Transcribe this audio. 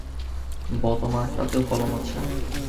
বতোমারটাতেও কলম আছে?